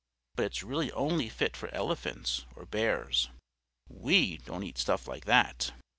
But it's really only fit for elephants or bears; we don't eat stuff like that.